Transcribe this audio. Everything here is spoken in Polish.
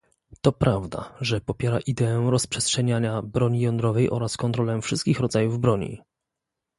To prawda, że popiera ideę nierozprzestrzeniania broni jądrowej oraz kontrolę wszystkich rodzajów broni